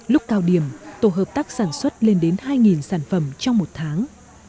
lúc cao điểm tổ hợp tác sản xuất lên đến hai sản phẩm trong một tháng